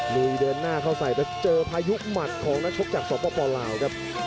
ลุยเดินหน้าเข้าใส่แล้วเจอพายุหมัดของนักชกจากสปลาวครับ